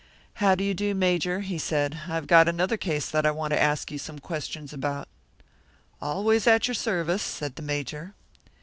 "How do you do, Major?" he said. "I've got another case that I want to ask you some questions about." "Always at your service," said the Major.